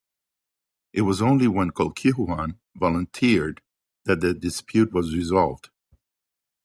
It was only when Colquhuon volunteered that the dispute was resolved.